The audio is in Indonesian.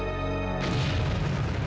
mampet banget sih